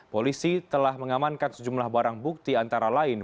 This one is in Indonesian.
polisi telah mengamankan sejumlah barang bukti antara lain